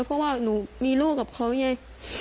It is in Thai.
เพราะหนูมีลูกกับเขา